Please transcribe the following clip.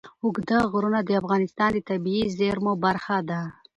اوږده غرونه د افغانستان د طبیعي زیرمو برخه ده.